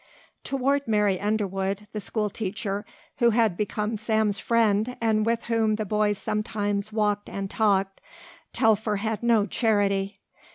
Toward Mary Underwood, the school teacher who had become Sam's friend and with whom the boy sometimes walked and talked, Telfer had no charity.